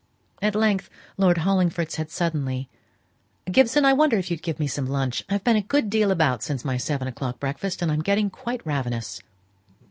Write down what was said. At length Lord Hollingford said suddenly, "Gibson, I wonder if you'd give me some lunch; I've been a good deal about since my seven o'clock breakfast, and am getting quite ravenous."